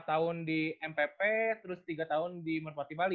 dua ribu dua belas empat tahun di mpp terus tiga tahun di merpati bali